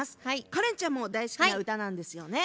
カレンちゃんも大好きな歌なんですよね。